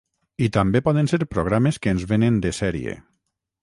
I també poden ser programes que ens venen de sèrie